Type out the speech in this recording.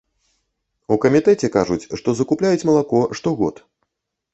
У камітэце кажуць, што закупляюць малако штогод.